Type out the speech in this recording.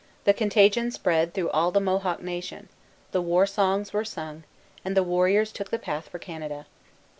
The contagion spread through all the Mohawk nation, the war songs were sung, and the warriors took the path for Canada.